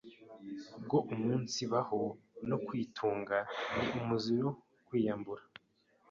bwo umunsibaho no kwitunga. Ni umuziro kwiyambura